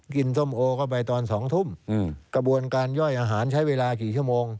ส้มโอเข้าไปตอน๒ทุ่มกระบวนการย่อยอาหารใช้เวลากี่ชั่วโมง